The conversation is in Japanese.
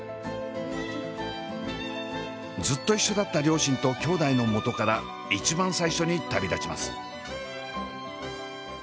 ずっと一緒だった両親ときょうだいのもとから一番最初に旅立ちます。